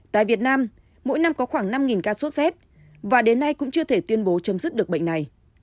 tại việt nam mỗi năm có khoảng năm ca sốt rét và đến nay cũng chưa thể tuyên bố chấm dứt được bệnh này